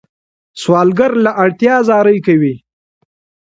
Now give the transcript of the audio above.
سوالګر له اړتیا زاری کوي